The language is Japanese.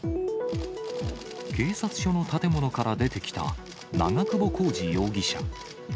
警察署の建物から出てきた、長久保浩二容疑者。